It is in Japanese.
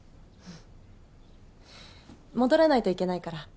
戻らないといけないから。